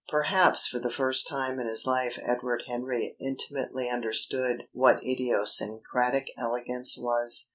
Perhaps for the first time in his life Edward Henry intimately understood what idiosyncratic elegance was.